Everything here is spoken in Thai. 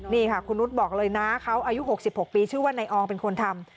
นี่ค่ะคุณนุษย์บอกเลยนะเขาอายุ๖๖ปีชื่อว่านายอองเป็นคนทำ